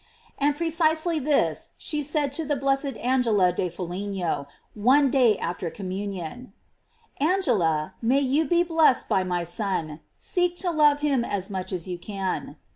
And precisely this she to the blessed Angela de Foligno one day after communion : "Angela, may you be blessed by my Son; seek to love him as much as you can."